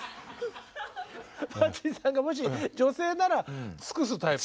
マーチンさんがもし女性なら尽くすタイプ？